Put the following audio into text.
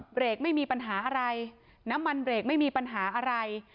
เบรกไม่มีปัญหาอะไรน้ำมันเบรกไม่มีปัญหาอะไร